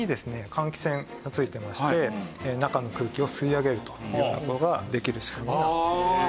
換気扇がついてまして中の空気を吸い上げるというような事ができる仕組みになっています。